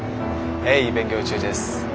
鋭意勉強中です。